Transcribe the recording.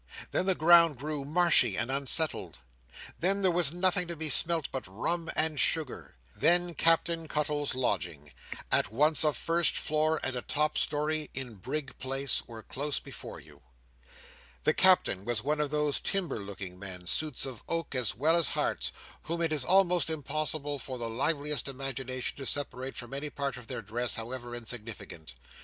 Then, the ground grew marshy and unsettled. Then, there was nothing to be smelt but rum and sugar. Then, Captain Cuttle's lodgings—at once a first floor and a top storey, in Brig Place—were close before you. The Captain was one of those timber looking men, suits of oak as well as hearts, whom it is almost impossible for the liveliest imagination to separate from any part of their dress, however insignificant.